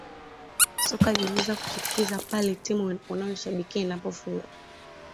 Soka linaweza kuchukiza pale timu unayoishabikia inapofungwa